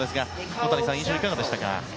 小谷さん、印象いかがでしたか？